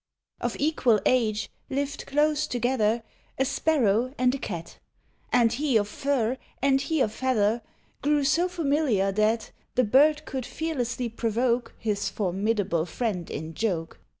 Of equal age, lived closed together A Sparrow and a Cat; And he of fur and he of feather Grew so familiar, that The bird could fearlessly provoke His formidable friend in joke.